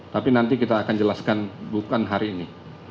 tapi nanti kita akan jelaskan bukan hari ini